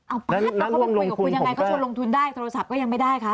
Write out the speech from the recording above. เอาป๊าดแล้วเขามาคุยกับคุณยังไงเขาชวนลงทุนได้โทรศัพท์ก็ยังไม่ได้คะ